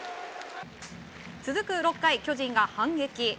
続く６回、巨人が反撃。